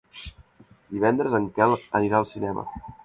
Divendres en Quel anirà al cinema.